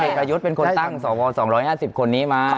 อเจมส์มคายุทเป็นคนตั้งสว๒๕๐คนนี้มา